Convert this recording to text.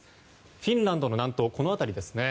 フィンランドの南東この辺りですね。